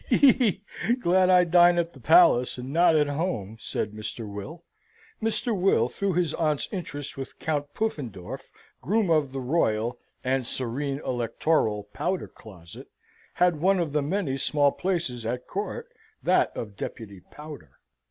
"He! he! glad I dine at the palace, and not at home!" said Mr. Will. (Mr. Will, through his aunt's interest with Count Puffendorff, Groom of the Royal {and Serene Electoral} Powder Closet, had one of the many small places at Court, that of Deputy Powder.)